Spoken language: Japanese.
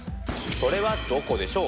それはどこでしょう。